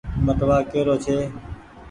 ٻٽوآ ڪيرو ڇي۔